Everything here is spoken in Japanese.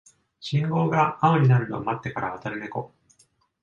信号が青になるのを待ってから渡るネコ